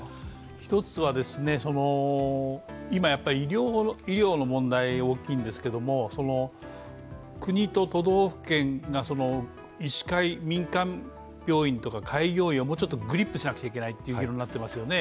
１つは今、医療の問題が大きいんですけれども、国と都道府県が医師会、民間病院とか開業医をもうちょっとグリップしなきゃいけないという議論になっていますよね。